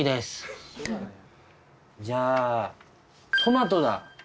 じゃあトマトだトマト。